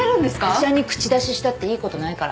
医者に口出ししたっていいことないから。